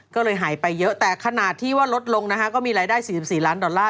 ก็เลยหายไปเยอะแต่ขนาดที่ว่าลดลงนะฮะก็มีรายได้๔๔ล้านดอลลาร์